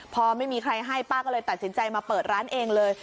พอไม่มีใครให้ป้าก็เลยตัดสินใจมาเปิดร้านเองเลย